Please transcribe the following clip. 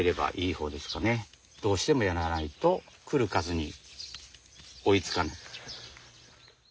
どうしてもやらないと来る数に追いつかない。